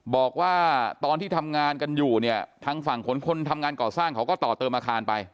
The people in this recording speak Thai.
บอกว่าตอนที่ทำงานกันอยู่เนี่ยทางฝั่งคนทำงานก่อสร้างเขาก็ต่อเติมอาคารไป